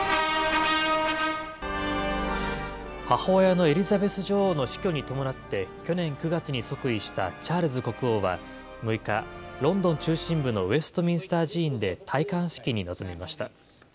母親のエリザベス女王の死去に伴って、去年９月に即位したチャールズ国王は６日、ロンドン中心部のウェストミンスター寺院で戴冠式に臨みました。